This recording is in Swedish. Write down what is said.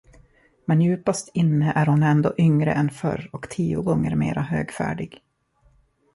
Men djupast inne är hon ändå yngre än förr och tio gånger mera högfärdig.